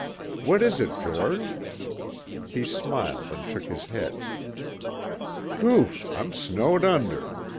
"What is it, George?" He smiled and shook his head. "Whew, I'm snowed under."